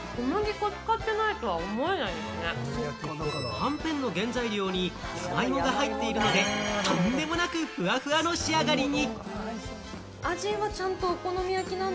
はんぺんの原材料に山芋が入っているので、とんでもなくふわふわの仕上がりに！